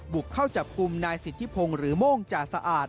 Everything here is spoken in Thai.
บุกเข้าจับกลุ่มนายสิทธิพงศ์หรือโม่งจ่าสะอาด